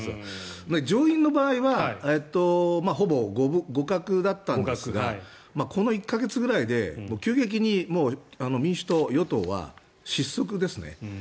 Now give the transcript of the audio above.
上院の場合はほぼ互角だったんですがこの１か月くらいで急激に民主党、与党は失速ですね。